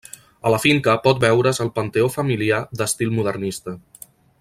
A la finca pot veure's el panteó familiar d'estil modernista.